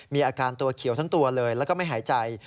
มีอาการตัวเขียวทั้งตัวเลยแล้วก็ไม่หายใจ